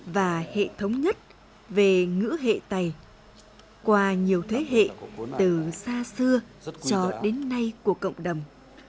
và hệ thống nhất về ngữ hệ tày qua nhiều thế hệ từ xa xưa cho đến nay của cộng đồng